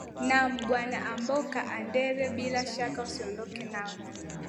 naam bwana amboka andere bila shaka usiondoke nawe